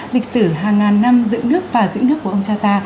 lịch sử hàng ngàn năm dựng nước và giữ nước của ông cha ta